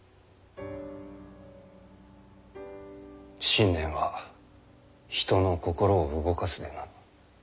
信念は人の心を動かすでな。